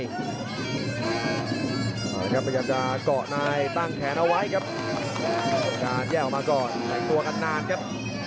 อย่างพยัดจะเกาะในต้องแขนเอาไว้ครับการแยะออกมาก่อนแข็งตัวกันนานครับ